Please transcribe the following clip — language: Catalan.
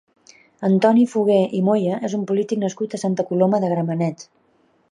Antoni Fogué i Moya és un polític nascut a Santa Coloma de Gramenet.